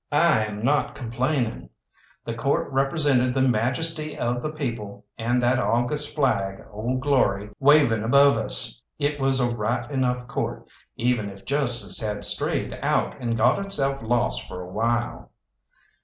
I am not complaining. The Court represented the majesty of the people, and that august flag, Old Glory, waving above us. It was a right enough Court, even if justice had strayed out and got itself lost for a while.